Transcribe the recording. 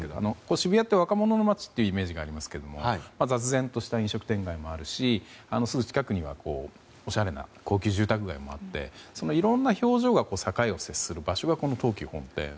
渋谷ってイメージがありますけど雑然とした飲食店街もあるしすぐ近くにはおしゃれな高級住宅街もあってそのいろんな表情が境を接する場所がこの東急本店。